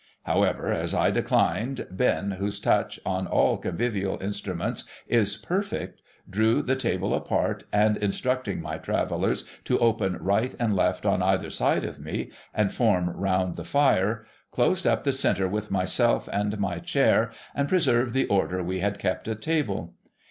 However, as I declined, Ben, whose touch on all coiv vivial instruments is perfect, drew the table apart, and instructing my Travellers to open right and left on either side of me, and form round the fire, closed up the centre with myself and my chair, and preserved the order we had kept at table.